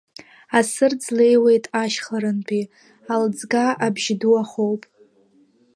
Асырӡ леиуеит ашьхарантәи, Аалӡга абжь ду ахоуп.